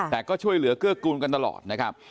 แต่ก็ช่วยเหลือเกื้อกูลกันตลอดนะครับ